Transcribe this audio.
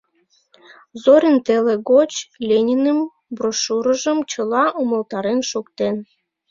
Зорин теле гоч Ленинын брошюрыжым чыла умылтарен шуктен.